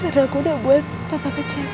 karena aku udah buat papa kecewa